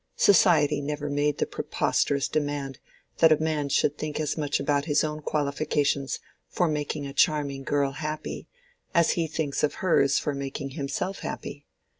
Society never made the preposterous demand that a man should think as much about his own qualifications for making a charming girl happy as he thinks of hers for making himself happy.